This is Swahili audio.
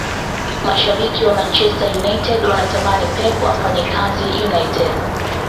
mashabiki wa manchester united wanatamani pep afanye kazi united